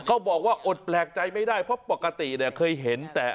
อดแปลกใจไม่ได้เพราะปกติเนี่ยเคยเห็นแต่